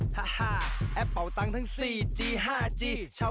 ใช่หรือเปล่าใช่หรือเปล่า